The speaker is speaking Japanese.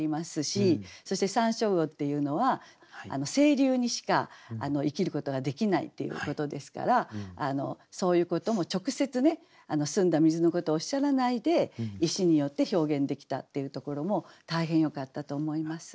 そして山椒魚っていうのは清流にしか生きることができないっていうことですからそういうことも直接ね澄んだ水のことおっしゃらないで「石」によって表現できたっていうところも大変よかったと思います。